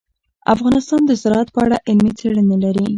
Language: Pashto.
افغانستان د زراعت په اړه علمي څېړنې لري.